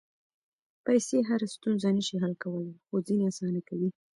پېسې هره ستونزه نه شي حل کولی، خو ځینې اسانه کوي.